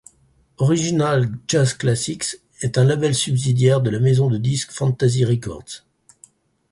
Original Jazz Classics est un label subsidiaire de la maison de disques Fantasy Records.